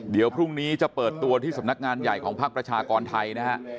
เดี๋ยวพรุ่งนี้จะเปิดตัวที่สำนักงานใหญ่ของภาคประชากรไทยนะฮะ